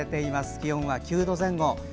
気温は９度前後。